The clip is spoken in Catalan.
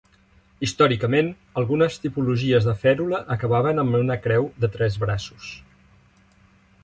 Històricament, algunes tipologies de fèrula acabaven amb una creu de tres braços.